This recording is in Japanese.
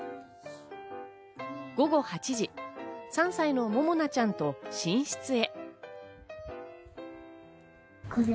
午後８時、３歳のももなちゃんと寝室へ。